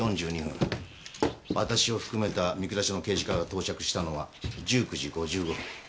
わたしを含めた御倉署の刑事課が到着したのは１９時５５分。